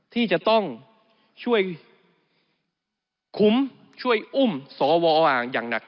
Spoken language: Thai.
ที่จะต้องช่วยคุ้มช่วยอุ้มสวอ่างอย่างหนัก